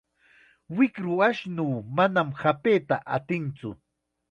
Wiqru ashnuu manam hapayta atintsu.